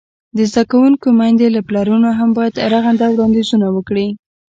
د زده کوونکو میندې او پلرونه هم باید رغنده وړاندیزونه وکړي.